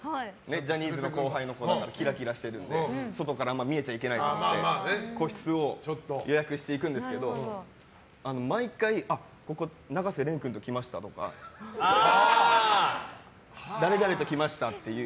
ジャニーズの後輩の子キラキラしてるので外から見えちゃいけないと思って個室を予約していくんですけど毎回ここ、永瀬廉君と来ましたとか誰々と来ましたっていう。